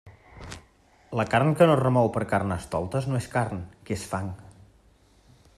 La carn que no es remou per Carnestoltes no és carn, que és fang.